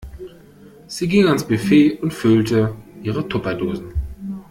Sie ging ans Buffet und füllte ihre Tupperdosen.